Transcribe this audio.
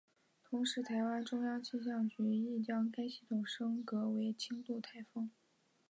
同时台湾中央气象局亦将该系统升格为轻度台风。